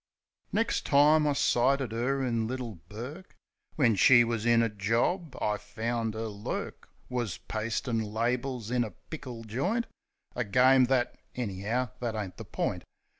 Nex' time I sighted 'er in Little Bourke, Where she was in a job. I found 'er lurk Wus pastin' labels in a pickle joint, A game that — any'ow, that ain't the point.